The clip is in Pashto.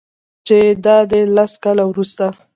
چې دادی لس کاله وروسته